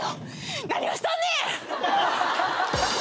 何をしとんねん！